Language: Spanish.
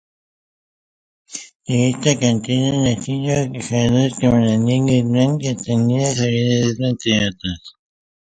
De esta cantera han nacido jugadores como Daniel Guzmán Castañeda, Javier Ledesma, entre otros.